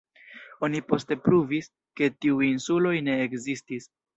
Oni poste pruvis, ke tiuj insuloj ne ekzistis.